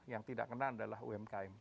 yang tidak kena adalah umkm